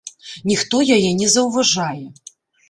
Ніхто яе не заўважае.